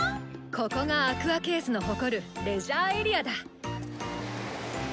ここがアクアケースの誇るレジャーエリアだ！